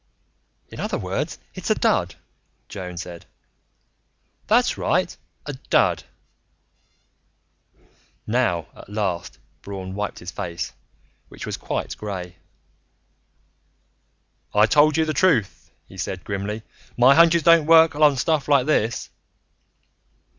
"In other words, it's a dud," Joan said. "That's right, a dud." Now, at last, Braun wiped his face, which was quite gray. "I told you the truth," he said grimly. "My hunches don't work on stuff like this."